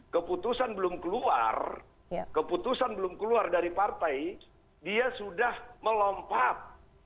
keputusan belum keluar keputusan belum keluar dari partai dia sudah melompat